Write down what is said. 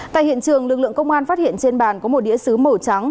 tại hiện trường lực lượng công an phát hiện trên bàn có một đĩa xứ màu trắng